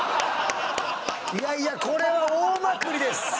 いやいやこれは大まくりです